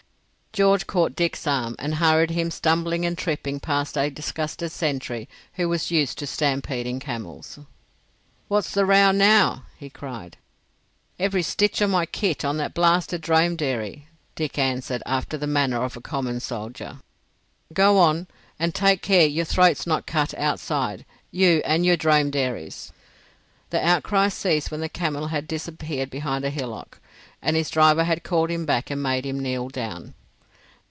George caught Dick's arm and hurried him stumbling and tripping past a disgusted sentry who was used to stampeding camels. "What's the row now?" he cried. "Every stitch of my kit on that blasted dromedary," Dick answered, after the manner of a common soldier. "Go on, and take care your throat's not cut outside—you and your dromedary's." The outcries ceased when the camel had disappeared behind a hillock, and his driver had called him back and made him kneel down.